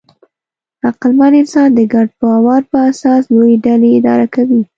عقلمن انسان د ګډ باور په اساس لویې ډلې اداره کوي.